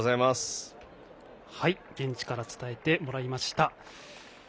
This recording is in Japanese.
現地から伝えてもらいました。